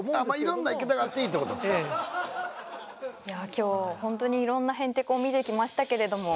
今日ほんとにいろんなへんてこを見てきましたけれども。